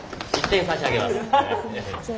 １点差し上げます。